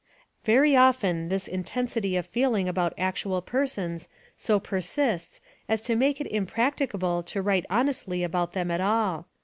Very often this intensity of feeling about actual persons so persists as to make it impracticable to write honestly about them at all.